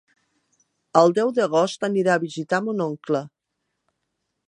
El deu d'agost anirà a visitar mon oncle.